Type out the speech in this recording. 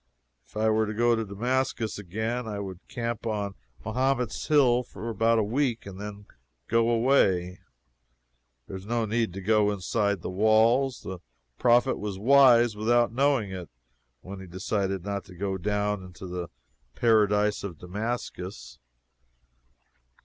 If I were to go to Damascus again, I would camp on Mahomet's hill about a week, and then go away. There is no need to go inside the walls. The Prophet was wise without knowing it when he decided not to go down into the paradise of Damascus.